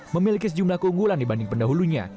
memiliki sejumlah keunggulan dibanding pendahulunya